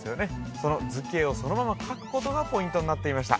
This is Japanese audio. その図形をそのまま書くことがポイントになっていました